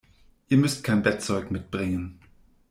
Ihr müsst kein Bettzeug mitbringen.